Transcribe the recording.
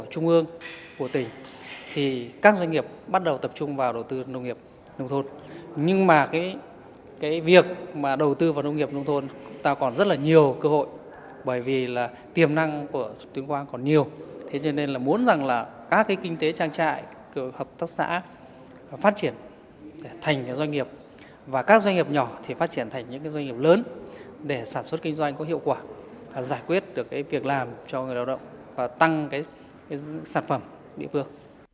hợp tác xã phát triển thành doanh nghiệp và các doanh nghiệp nhỏ phát triển thành những doanh nghiệp lớn để sản xuất kinh doanh có hiệu quả giải quyết được việc làm cho người lao động và tăng sản phẩm địa phương